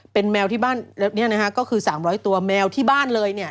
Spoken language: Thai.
เป็นแมวที่บ้านแล้วเนี่ยนะฮะก็คือ๓๐๐ตัวแมวที่บ้านเลยเนี่ย